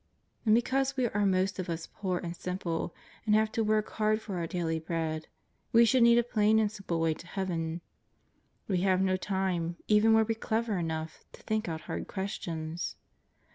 And because we are most of us poor and simple and have to work hard for our daily bread, we should need a plain and simple way to Heaven. We have no time, even were we clever enough, to think out hard questions.